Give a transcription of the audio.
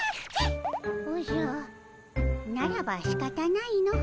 おじゃならばしかたないの。